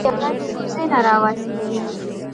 پیاله د کوزې نه راوتلې وي.